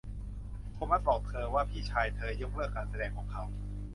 โทมัสบอกเธอว่าพี่ชายเธอยกเลิกการแสดงของเขา